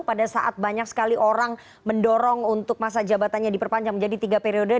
pada saat banyak sekali orang mendorong untuk masa jabatannya diperpanjang menjadi tiga periode